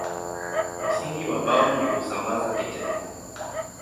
Msingi wa Bao ni kusambaza kete.